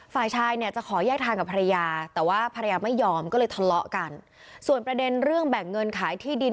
ฝ่ายชายเนี่ยจะขอแยกทางกับภรรยาแต่ว่าภรรยาไม่ยอมก็เลยทะเลาะกันส่วนประเด็นเรื่องแบ่งเงินขายที่ดิน